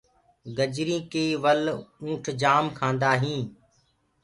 گجرينٚ ڪي ول اُنٺ جآم کآندآ هينٚ۔